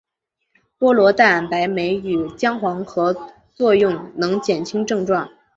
菠萝蛋白酶与姜黄合用能减轻症状。